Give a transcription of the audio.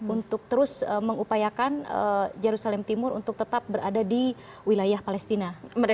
untuk terus mengupayakan jerusalem timur untuk tetap berada di wilayah palestina